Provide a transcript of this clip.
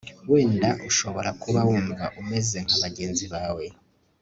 wenda ushobora kuba wumva umeze nka bagenzi bawe